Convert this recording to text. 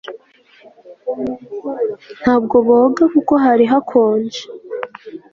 Ntabwo boga kuko hari hakonje